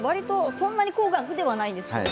そんなに高額ではないですけれど。